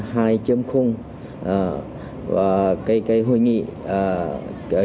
và cái hội nghị kỹ thuật hình sản